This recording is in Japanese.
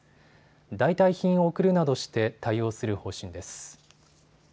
代替品を送るなどして対応する方針です。